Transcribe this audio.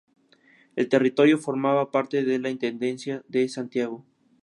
El territorio formaba parte de la intendencia de Santiago.